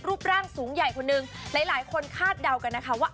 รูปร่างสูงใหญ่คนนึงหลายคนคาดเดากันนะคะว่า